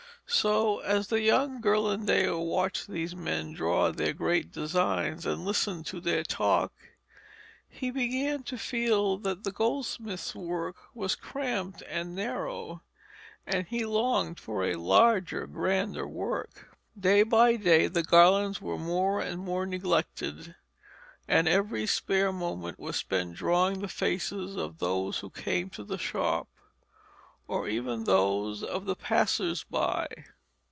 So as the young Ghirlandaio watched these men draw their great designs and listened to their talk, he began to feel that the goldsmith's work was cramped and narrow, and he longed for a larger, grander work. Day by day the garlands were more and more neglected, and every spare moment was spent drawing the faces of those who came to the shop, or even those of the passers by.